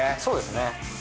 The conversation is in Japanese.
そうですね。